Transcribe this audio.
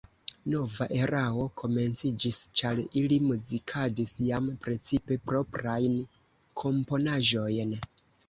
Nova erao komenciĝis, ĉar ili muzikadis jam precipe proprajn komponaĵojn.